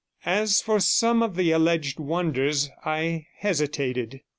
As for some of the alleged wonders, I hesitated.